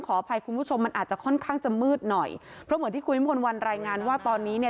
ขออภัยคุณผู้ชมมันอาจจะค่อนข้างจะมืดหน่อยเพราะเหมือนที่คุณวิมวลวันรายงานว่าตอนนี้เนี่ย